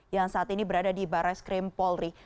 yang saat ini berada di barai skrim polri